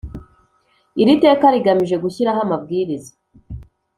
Iri teka rigamije gushyiraho amabwiriza